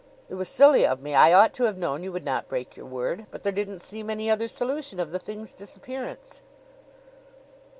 It was silly of me. I ought to have known you would not break your word; but there didn't seem any other solution of the thing's disappearance.